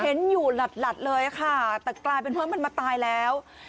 เห็นอยู่หลัดเลยค่ะแต่กลายเป็นว่ามันมาตายแล้ว